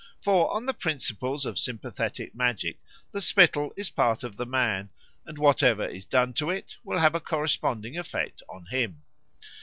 For on the principles of sympathetic magic the spittle is part of the man, and whatever is done to it will have a corresponding effect on him.